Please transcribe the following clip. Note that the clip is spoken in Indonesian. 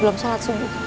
belum sholat subuh